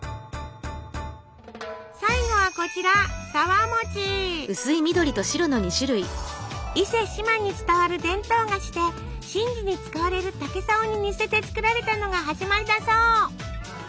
最後はこちら伊勢志摩に伝わる伝統菓子で神事に使われる「竹さお」に似せて作られたのが始まりだそう！